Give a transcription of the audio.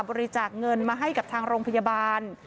บริจาคเงินมาให้กับทางโรงพยาบาล